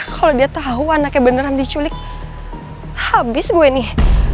kalau dia tahu anaknya beneran diculik habis gue ini